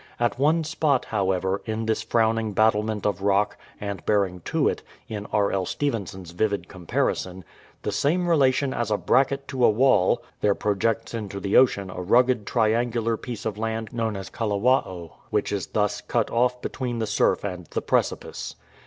At one spot, however, in this frowning battlement of rock, and bearing to it, in R. L. Stevenson's vivid comparison, " the same relation as a bracket to a wall," there projects into the ocean a rugged triangular piece of land known as Kalawao, which is thus "cut off between the surf and the precipice."'